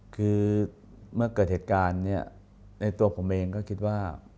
คือเมื่อเกิดเหตุการณ์เนี่ยในตัวผมเองก็คิดว่า